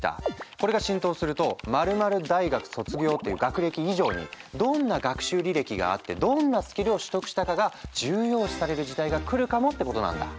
これが浸透すると○○大学卒業という学歴以上にどんな学習履歴があってどんなスキルを取得したかが重要視される時代が来るかもってことなんだ。